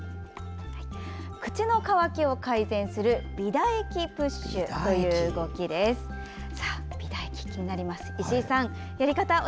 口の渇きを改善する美唾液プッシュという動きです。